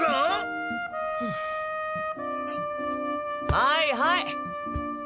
・はいはい！